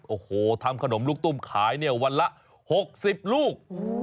โอ้โหทำขนมลูกตุ้มขายเนี่ยวันละ๖๐ลูก